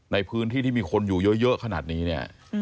ในพื้นที่ที่มีคนอยู่เยอะขนาดนี้เนี่ย